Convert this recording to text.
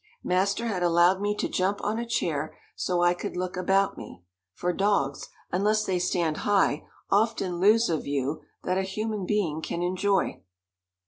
Master had allowed me to jump on a chair so I could look about me, for dogs, unless they stand high, often lose a view that a human being can enjoy.